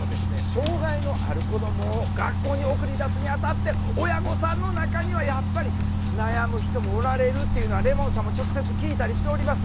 障害のある子どもを学校に送り出すにあたって親御さんの中にはやっぱり悩む人もおられるっていうのはレモンさんも直接聞いたりしております。